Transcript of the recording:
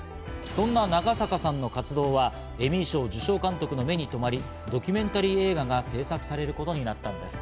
そんな長坂さんの活動はエミー賞受賞監督の目に留まり、ドキュメンタリー映画が今、こんな夢があります。